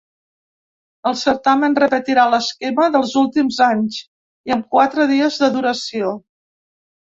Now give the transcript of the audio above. El certamen repetirà l’esquema dels últims anys i amb quatre dies de duració.